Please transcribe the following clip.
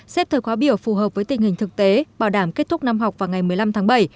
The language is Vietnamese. xếp thời khóa biểu phù hợp với tình hình thực tế bảo đảm kết thúc năm học vào ngày một mươi năm tháng bảy